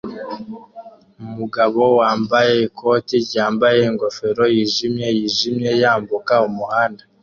Umugabo wambaye ikoti ryambaye ingofero yijimye yijimye yambuka umuhanda